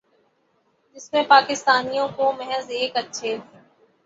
جس میں پاکستانیوں کو محض ایک اچھے